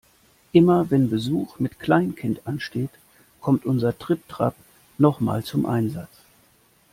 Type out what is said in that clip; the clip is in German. Immer wenn Besuch mit Kleinkind ansteht, kommt unser Tripp-Trapp noch mal zum Einsatz.